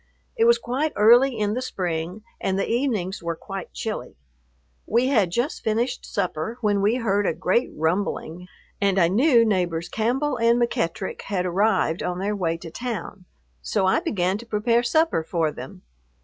It was quite early in the spring and the evenings were quite chilly. We had just finished supper, when we heard a great rumbling, and I knew neighbors Campbell and McEttrick had arrived on their way to town; so I began to prepare supper for them.